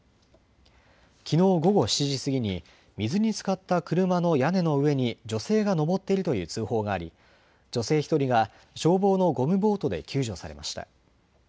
きのう午後７時過ぎに水につかった車の屋根の上に女性が登っているという通報があり、女性１人が消防のゴムボートで救助されました。